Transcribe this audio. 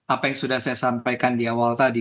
apa yang sudah saya sampaikan di awal tadi